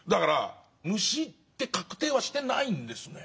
虫って確定はしてないんですね。